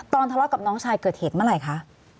ทะเลาะกับน้องชายเกิดเหตุเมื่อไหร่คะ